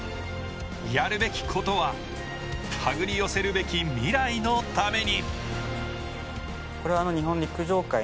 やるべきことは手繰り寄せるべき未来のために。